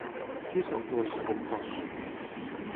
Qui és l'autor del segon cos?